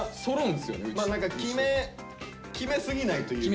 何か決めすぎないというか。